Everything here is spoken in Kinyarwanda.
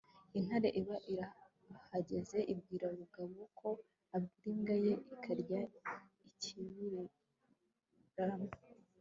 intare iba irahageze, ibwira bugabo ko abwira imbwa ye ikarya ikibirima